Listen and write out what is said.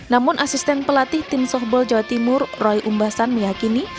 namun asisten pelatih tim softball jawa timur roy umbasan meyakini